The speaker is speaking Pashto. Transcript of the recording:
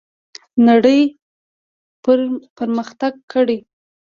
نړۍ پرمختګ کړی.